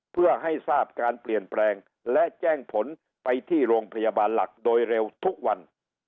เพื่อให้ทราบการเปลี่ยนแปลงและแจ้งผลไปที่โรงพยาบาลหลักโดยเร็วทุกวัน